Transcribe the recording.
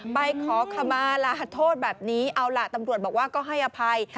ไปขอขมาลาโทษแบบนี้เอาล่ะตำรวจบอกว่าก็ให้อภัย